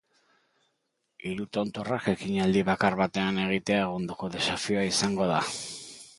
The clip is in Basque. Hiru tontorrak ekinaldi bakar batean egitea egundoko desafioa izango da.